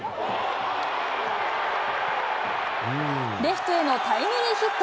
レフトへのタイムリーヒット。